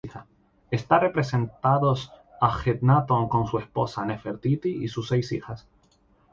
Están representados Ajenatón con su esposa Nefertiti y sus seis hijas.